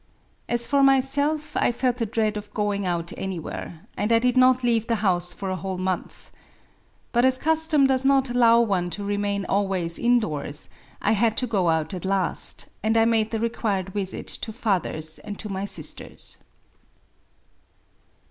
— As for myself, I felt a dread of going out anjrwhere ; and I did not leave the house for a whole month. But as custom does not allow one to remain always indoors, I had to go out at last ; and I made the required visit to father's and to my sister's.